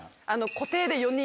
固定で４人。